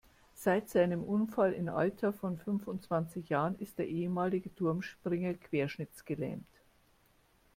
Seit seinem Unfall im Alter von fünfundzwanzig Jahren ist der ehemalige Turmspringer querschnittsgelähmt.